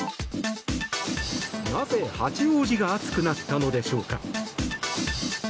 なぜ八王子が暑くなったのでしょうか。